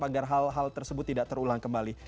kita berharap anggaran hal hal tersebut tidak terulang kembali